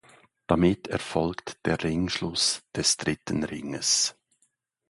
Damit erfolgt der Ringschluss des dritten Ringes.